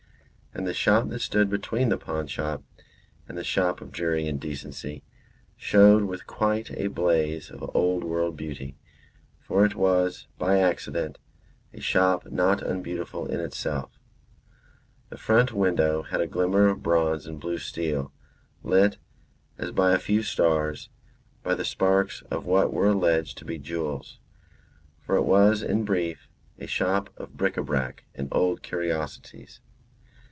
And the shop that stood between the pawnshop and the shop of dreary indecency, showed with quite a blaze of old world beauty, for it was, by accident, a shop not unbeautiful in itself. The front window had a glimmer of bronze and blue steel, lit, as by a few stars, by the sparks of what were alleged to be jewels; for it was in brief, a shop of bric a brac and old curiosities.